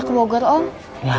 mas suha berani ya